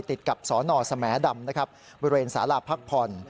ติดกับศนสมดำนะครับบริเวณสารภัคพล